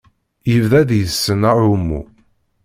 Yebda deg-sen aɛummu.